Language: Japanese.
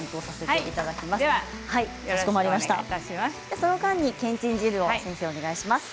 その間にけんちん汁をお願いします。